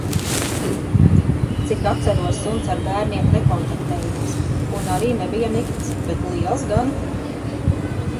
Cik atceros suns ar bērniem nekontaktējās un arī nebija nikns, bet liels gan.